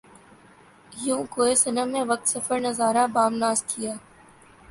یوں کوئے صنم میں وقت سفر نظارۂ بام ناز کیا